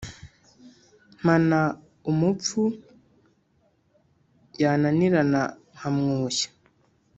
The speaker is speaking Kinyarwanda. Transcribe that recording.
Mpana umupfu yananira nkamwoshya.